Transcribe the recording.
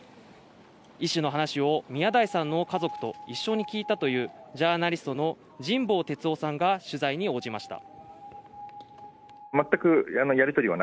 医師の話を宮台さんの家族と一緒に聞いたというジャーナリストの神保哲生さんが取材に応じました。